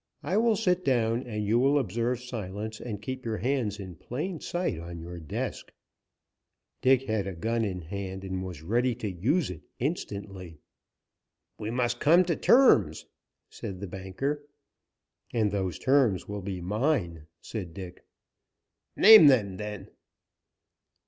I will sit down, and you will observe silence and keep your hands in plain sight on your desk." Dick had a gun in hand, and was ready to use it instantly. "We must come to terms," said the banker. "And those terms will be mine," said Dick. "Name them, then."